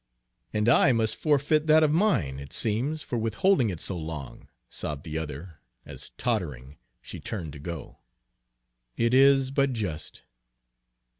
"And I must forfeit that of mine, it seems, for withholding it so long," sobbed the other, as, tottering, she turned to go. "It is but just."